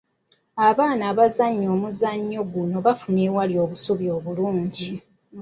Abaana abazannya omuzannyo guno bafuna awali obusubi obulungi.